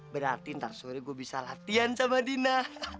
berarti ntar sore gue bisa latihan sama dina